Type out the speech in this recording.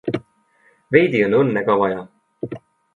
Veidi on õnne ka vaja.